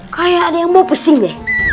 kayak ada yang bawa pesing deh